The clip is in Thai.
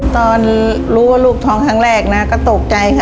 ตอนรู้ว่าลูกท้องครั้งแรกนะก็ตกใจค่ะ